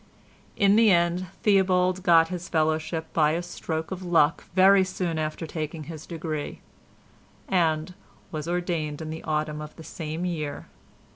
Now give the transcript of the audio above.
In the end Theobald got his fellowship by a stroke of luck very soon after taking his degree, and was ordained in the autumn of the same year, 1825.